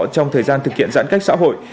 trong thời gian thực hiện giãn cách xã hội